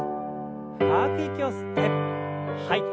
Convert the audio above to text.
深く息を吸って吐いて。